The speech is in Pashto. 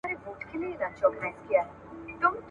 چي مو نه وینمه غم به مي په کور سي `